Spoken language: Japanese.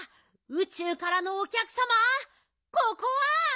うちゅうからのおきゃくさまここは」。